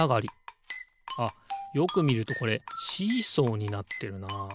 あっよくみるとこれシーソーになってるな。